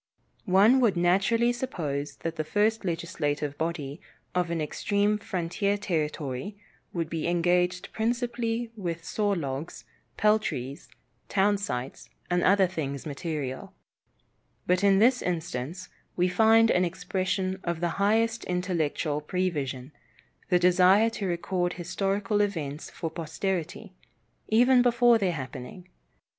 One would naturally suppose that the first legislative body of an extreme frontier territory would be engaged principally with saw logs, peltries, town sites, and other things material; but in this instance we find an expression of the highest intellectual prevision, the desire to record historical events for posterity, even before their happening.